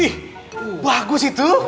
ih bagus itu